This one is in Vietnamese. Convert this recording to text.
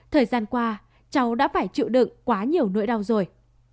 thời gian qua cháu đã phải chịu đựng quá nhiều nỗi đau rồi